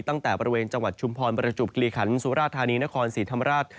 ตั้งแต่บริเวณจังหวัดชุมพรประจุบกิริขันสุราธานีนครศรีธรรมราช